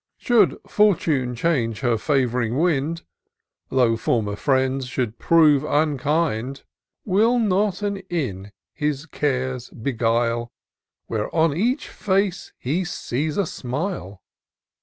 87 Should Fortune change her &v'ring wind, Though former friends should prove unkind, Will not an inn his cares beguile. Where on each face he sees a smile